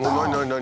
何？